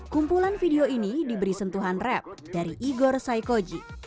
kumpulan video ini diberi sentuhan rap dari igor saikoji